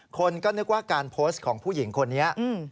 คนก็นึกว่าการโพสต์ของผู้หญิงคนนี้